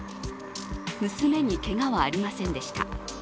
娘に、けがはありませんでした。